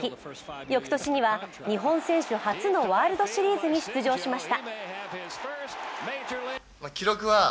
翌年には日本選手初のワールドシリーズに出場しました。